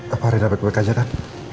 apa rina baik baik aja kan